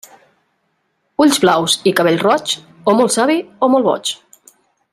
Ulls blaus i cabell roig, o molt savi o molt boig.